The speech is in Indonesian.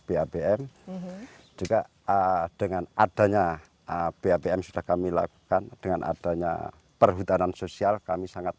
babm juga dengan adanya bapm sudah kami lakukan dengan adanya perhutanan sosial kami sangat